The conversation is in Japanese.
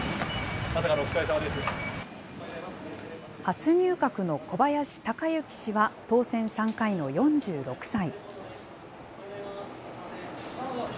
初入閣の小林鷹之氏は当選３回の４６歳。